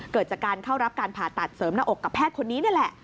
เกิดจากการเข้ารับการผ่าตัดเสริมหน้าอกกับแพทย์คนนี้นี่แหละ